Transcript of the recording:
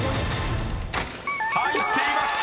［入っていました！